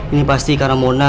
ini pasti karena mona